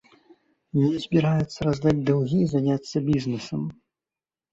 Ён збіраецца раздаць даўгі і заняцца бізнесам.